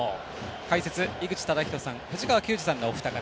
解説、井口資仁さん藤川球児さんのお二方。